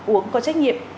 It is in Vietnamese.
uống có trách nhiệm